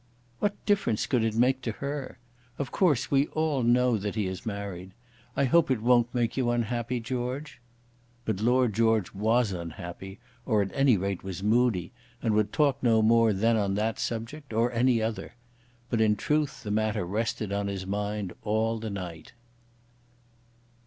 "What difference could it make to her? Of course we all know that he is married. I hope it won't make you unhappy, George." But Lord George was unhappy, or at any rate, was moody, and would talk no more then on that subject, or any other. But in truth the matter rested on his mind all the night.